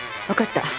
分かった。